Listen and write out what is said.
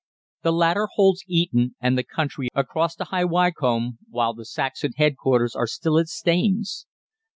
The latter holds Eton and the country across to High Wycombe, while the Saxon headquarters are still at Staines.